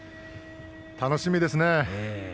楽しみですね。